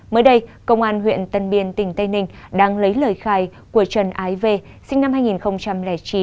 mới đây công an huyện tân biên tỉnh tây ninh đang lấy lời khai của trần ái v sinh năm hai nghìn chín